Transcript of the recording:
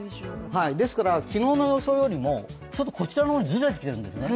ですから昨日の予想よりもちょっとこちらの方にずれてきているんですね